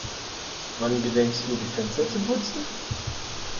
Wann gedenkst du die Fenster zu putzen?